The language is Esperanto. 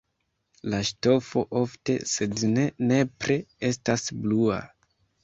La ŝtofo ofte, sed ne nepre estas blua.